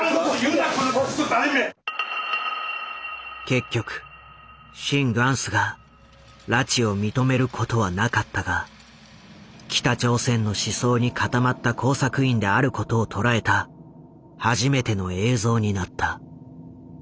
結局シン・グァンスが拉致を認めることはなかったが北朝鮮の思想に固まった工作員であることを捉えた初めての映像になった。